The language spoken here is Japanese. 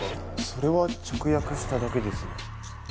それは直訳しただけですね